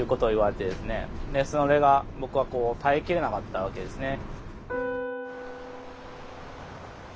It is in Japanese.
でそれが僕は耐えきれなかったわけですね。